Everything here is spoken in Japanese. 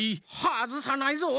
はずさないぞ！